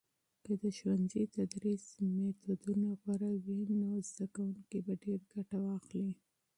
که د ښوونځي تدریس میتودونه غوره وي، نو زده کوونکي به ډیر ګټه واخلي.